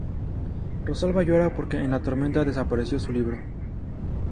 Rosalba llora porque en la tormenta desapareció su libro.